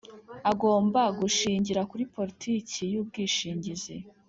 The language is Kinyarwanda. agomba gushingira kuri politiki y ubwishingizi